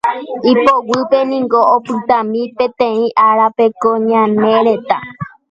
ipoguýpe niko opytami peteĩ árape ko ñane retã